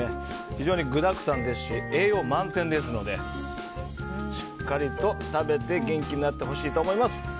非常に具だくさんですし栄養満点ですのでしっかりと食べて元気になってほしいと思います。